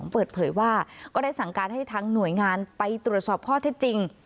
เปิดเผยว่าก็ได้สั่งการให้ทางหน่วยงานไปตรวจสอบข้อเท็จจริง